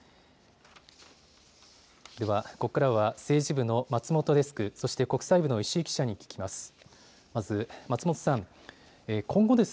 ではここからは政治部の松本デスク、そして国際部の石井記者に聞きます。